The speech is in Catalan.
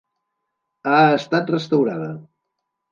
Ha estat restaurada.